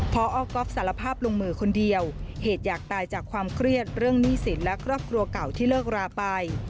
พอก๊อฟสารภาพลงมือคนเดียวเหตุอยากตายจากความเครียดเรื่องหนี้สินและครอบครัวเก่าที่เลิกราไป